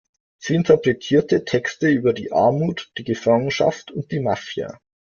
Sie interpretierte Texte über die Armut, die Gefangenschaft und die Mafia.